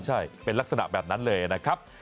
ใช่เป็นลักษณะแบบนั้นเลยนะครับ